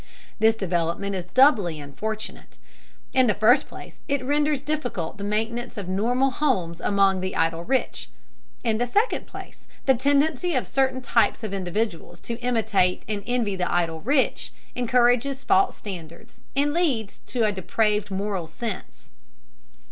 This development is doubly unfortunate. In the first place it renders difficult the maintenance of normal homes among the idle rich. In the second place, the tendency of certain types of individuals to imitate and envy the idle rich encourages false standards and leads to a depraved moral sense.